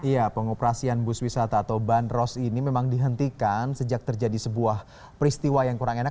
ya pengoperasian bus wisata atau bandros ini memang dihentikan sejak terjadi sebuah peristiwa yang kurang enak